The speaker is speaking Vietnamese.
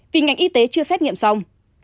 vì ngành y tế chưa xét nghiệm xong